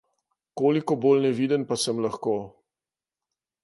Koliko bolj neviden pa sem lahko?